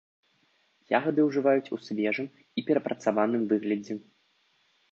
Ягады ўжываюць у свежым і перапрацаваным выглядзе.